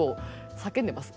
叫んでます？